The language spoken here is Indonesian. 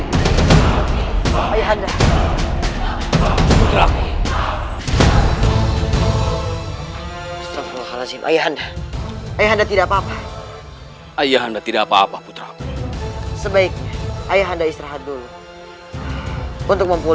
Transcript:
benarnya apa yang terjadi dalam diriku